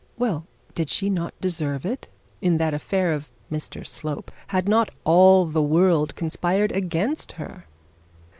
Well, did she not deserve it? In that affair of Mr Slope, had not all the world conspired against her?